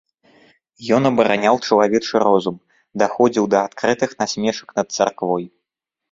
Ён абараняў чалавечы розум, даходзіў да адкрытых насмешак над царквой.